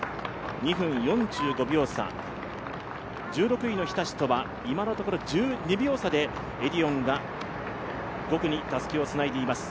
２分４５秒差、１６位の日立とは今のところ１２秒差でエディオンが５区にたすきをつないでいます。